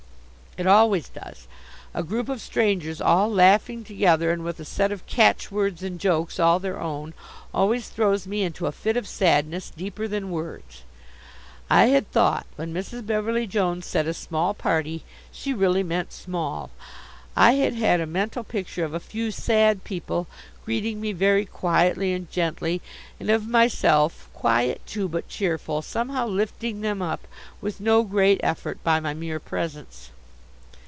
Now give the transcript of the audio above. It always does. A group of strangers all laughing together, and with a set of catchwords and jokes all their own, always throws me into a fit of sadness, deeper than words. I had thought, when Mrs. Beverly Jones said a small party, she really meant small. I had had a mental picture of a few sad people, greeting me very quietly and gently, and of myself, quiet, too, but cheerful somehow lifting them up, with no great effort, by my mere presence.